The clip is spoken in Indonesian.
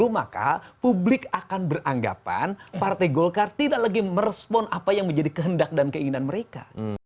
maka publik akan beranggapan partai golkar tidak lagi merespon apa yang menjadi kehendak dan keinginan mereka